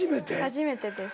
初めてです。